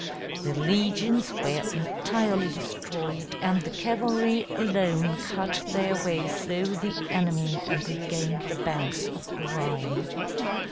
The legions were entirely destroyed, and the cavalry alone cut their way through the enemy and regained the banks of the Rhine.